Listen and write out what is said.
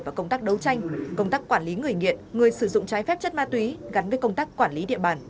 và công tác đấu tranh công tác quản lý người nghiện người sử dụng trái phép chất ma túy gắn với công tác quản lý địa bàn